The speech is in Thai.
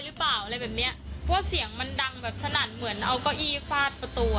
รึเปล่าอะไรบางเนี้ยก็สิงห์มันดังแบบสนานเหมือนเอาเก้าอีกฟากประตูอ่ะ